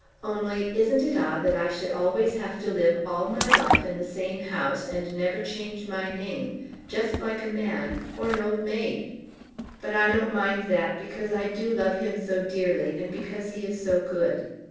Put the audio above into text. Only isn't it odd that I should always have to live all my life in the same house, and never change my name, just like a man, or an old maid? But I don't mind that because I do love him so dearly and because he is so good.